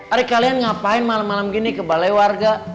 ari kalian ngapain malam malam gini ke balai warga